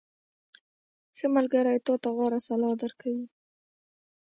• ښه ملګری تا ته غوره سلا درکوي.